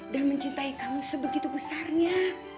dan mencintai kamu sebegitu besarnya